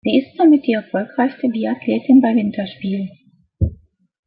Sie ist damit die erfolgreichste Biathletin bei Winterspielen.